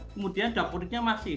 kemudian dapodiknya masih